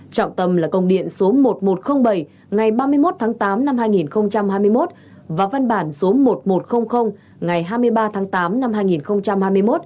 trọng tâm là công điện số một nghìn một trăm linh bảy ngày ba mươi một tháng tám năm hai nghìn hai mươi một và văn bản số một nghìn một trăm linh ngày hai mươi ba tháng tám năm hai nghìn hai mươi một